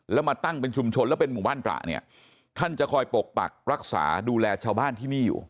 แล้วมาตั้งเป็นชุมชนแล้วเป็นหมู่บ้านตระเนี่ยท่านจะคอยปกปักรักษาดูแลชาวบ้านที่นี่อยู่